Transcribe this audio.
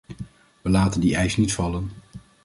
We laten die eis niet vallen.